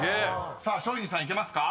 ［松陰寺さんいけますか？］